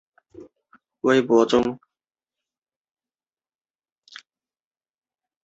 此缺点可藉热压成形式奈米压印或步进光感式奈米压印来改善之。